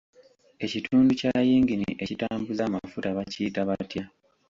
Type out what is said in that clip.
Ekitundu kya yingini ekitambuza amufuta bakiyita butya?